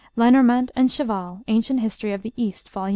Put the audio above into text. (Lenormant and Cheval, "Anc. Hist. of the East," vol.